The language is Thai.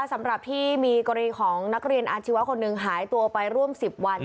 สำหรับที่มีกรณีของนักเรียนอาชีวะคนหนึ่งหายตัวไปร่วม๑๐วัน